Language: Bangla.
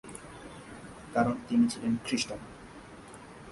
কারণ তিনি ছিলেন খৃষ্টান।